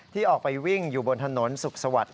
ที่ออกไปวิ่งอยู่บนถนนสุขสวัสดิ